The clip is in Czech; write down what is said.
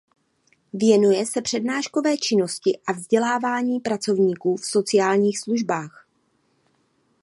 Věnuje se přednáškové činnosti a vzdělávání pracovníků v sociálních službách.